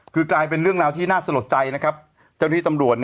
คือกลายเป็นเรื่องราวที่น่าสลดใจนะครับเจ้าหน้าที่ตำรวจ